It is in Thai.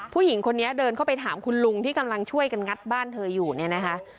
ผู้หญิงคนนี้เดินเข้าไปถามคุณลุงที่กำลังช่วยกันงัดบ้านเธออยู่เนี่ยนะคะ